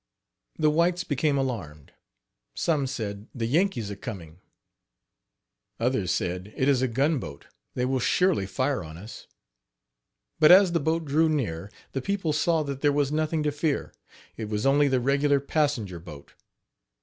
The whites became alarmed. Some said: "The Yankees are coming." Other said: "It is a gun boat they will surely fire on us." But as the boat drew near the people saw that there was nothing to fear it was only the regular passenger boat.